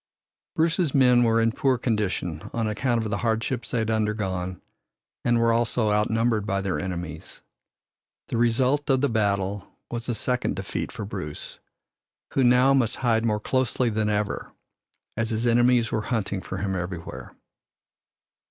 Bruce's men were in poor condition on account of the hardships they had undergone and were also outnumbered by their enemies. The result of the battle was a second defeat for Bruce, who now must hide more closely than ever, as his enemies were hunting for him everywhere.